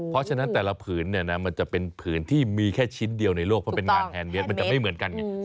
เพราะฉะนั้นแต่ละผืนเนี่ยนะมันจะเป็นผืนที่มีแค่ชิ้นเดียวในโลกเพราะเป็นงานแฮนดเมียสมันจะไม่เหมือนกันไง